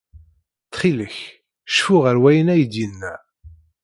Ttxil-k, cfu ɣef wayen ay d-yenna.